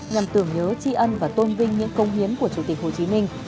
nhằm tưởng nhớ tri ân và tôn vinh những công hiến của chủ tịch hồ chí minh